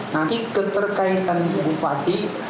nanti keterkaitan bupati